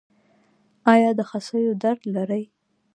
ایا د خصیو درد لرئ؟